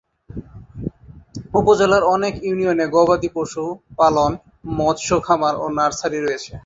উপজেলার অনেক ইউনিয়নে গবাদি পশু পালন, মৎস খামার ও নার্সারি রয়েছে।